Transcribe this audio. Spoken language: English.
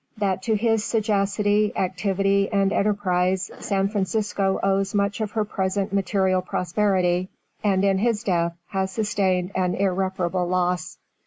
That to his sagacity, activity, and enterprise, San Francisco owes much of her present material prosperity, and in his death has sustained an irreparable loss.